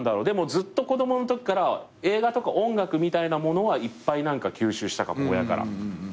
でもずっと子供のときから映画とか音楽みたいなものはいっぱい吸収したかも親から。